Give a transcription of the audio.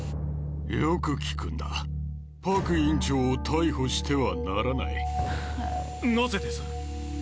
よく聞くんだパク院長を逮捕してはならないなぜです？